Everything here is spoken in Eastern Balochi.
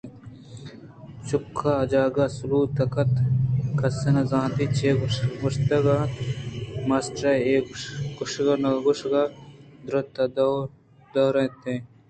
چُکاں جاک ءُ سلوات کُتگ اَت کس ءَنہ زانت چے گوٛشگ ءَ اِت اَنتءُماسٹر ے اے کش ءُآ کش ءَ دِرٛک ءُدور ءَ اِت اَنت